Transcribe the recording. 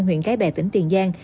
huyện cái bè tỉnh tiền giang